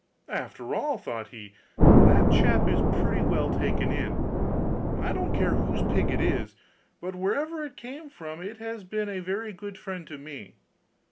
'After all,' thought he, 'that chap is pretty well taken in. I don't care whose pig it is, but wherever it came from it has been a very good friend to me.